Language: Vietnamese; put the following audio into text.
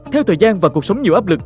theo thời gian và cuộc sống nhiều áp lực